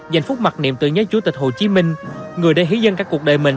dành phút mặt niệm tự nhớ chủ tịch hồ chí minh người đề hí dân các cuộc đời mình